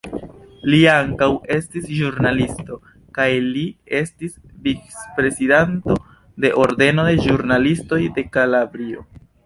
Li ankaŭ estis ĵurnalisto kaj li estis vic-prezidanto de Ordeno de ĵurnalistoj de Kalabrio.